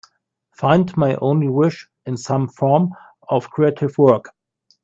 Find My Only Wish in some form of creative work